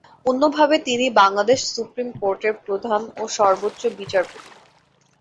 অন্যভাবে তিনি বাংলাদেশ সুপ্রীম কোর্টের প্রধান ও সর্ব্বোচ্চ বিচারপতি।